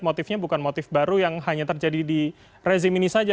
motifnya bukan motif baru yang hanya terjadi di rezim ini saja